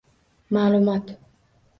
Ma'lumot